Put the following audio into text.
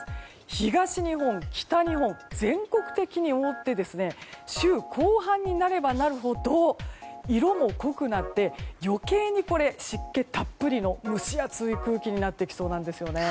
東日本、北日本全国的に覆って週の後半になればなるほど色も濃くなって余計に湿気がたっぷりの蒸し暑い空気になってきそうなんですよね。